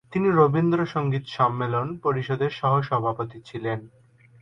তিনি রবীন্দ্রসংগীত সম্মেলন পরিষদের সহ-সভাপতি ছিলেন।